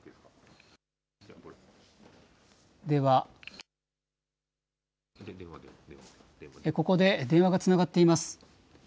ではここで電話がつながっています。